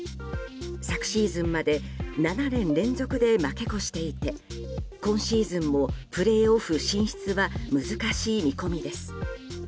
昨シーズンまで７年連続で負け越していて今シーズンもプレーオフ進出は難しい見込みです。